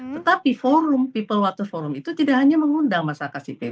tetapi forum people water forum itu tidak hanya mengundang masyarakat sipil